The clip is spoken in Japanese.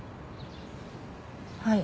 はい。